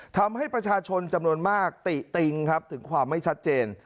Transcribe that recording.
ทำให้ประชาชนจำนวนมากติติงครับถึงความไม่ชัดเจน